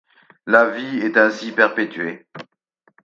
La vie est ainsi perpétuée.